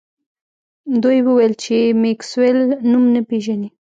دوی وویل چې میکسویل نوم نه پیژني